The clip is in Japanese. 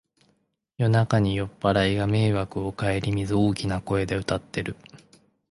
夜中に酔っぱらいが迷惑をかえりみず大きな声で歌ってる